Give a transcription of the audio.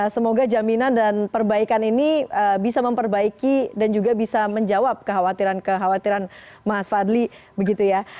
semoga jaminan dan perbaikan ini bisa memperbaiki dan juga bisa menjawab kekhawatiran kekhawatiran mas fadli begitu ya